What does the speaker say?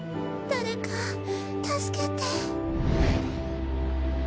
誰か助けて。